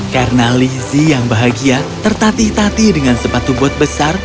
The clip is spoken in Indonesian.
karena lizzie yang bahagia tertatih tatih dengan sepatu bot besar